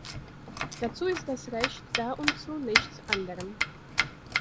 Dazu ist das Recht da und zu nichts anderem!